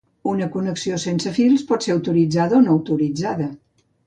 Una connexió sense fils pot ser autoritzada o no autoritzada.